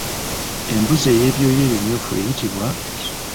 Embuzi ey'ebyoya ebimyufu eyitibwa?